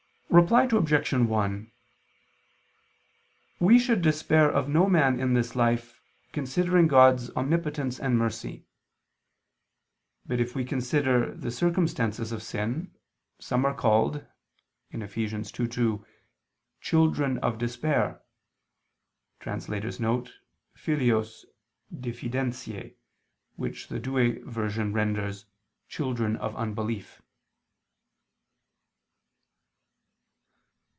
Reply Obj. 1: We should despair of no man in this life, considering God's omnipotence and mercy. But if we consider the circumstances of sin, some are called (Eph. 2:2) "children of despair" [*_Filios diffidentiae,_ which the Douay version renders "children of unbelief."